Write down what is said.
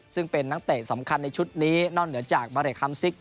ซึ่งเป็นนักเตะสำคัญในชุดนี้นอกเหนือจากบาเรคฮัมซิก